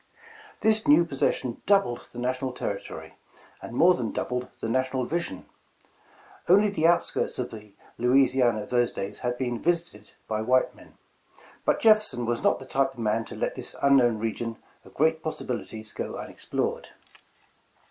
This new possession doubled the national territory, and more than doubled the national vision. Only the^ outskirts of the Louisiana of those days had been visit ed by white men, but Jefferson was not the type of man to let this unknown region of great possibilities go unexplored.